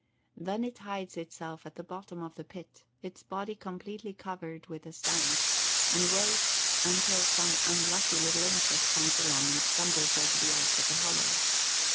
Then it hides itself at the bottom of the pit, its body completely covered with the sand, and waits until some unlucky little insect comes along and stumbles over the edge of the hollow.